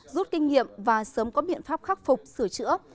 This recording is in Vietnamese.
rút kinh nghiệm và sớm có biện pháp khắc phục sửa chữa